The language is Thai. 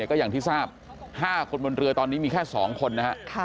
ก็อย่างที่ทราบ๕คนบนเรือตอนนี้มีแค่๒คนนะครับ